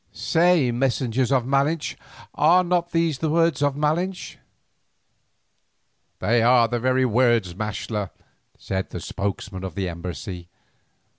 "Say, messengers of Malinche, are not these the words of Malinche?" "They are his very words, Maxtla," said the spokesman of the embassy.